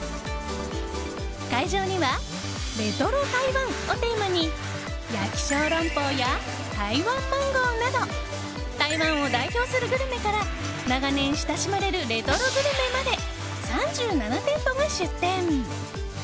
会場には、レトロ台湾をテーマに焼き小龍包や台湾マンゴーなど台湾を代表するグルメから長年親しまれるレトログルメまで３７店舗が出店。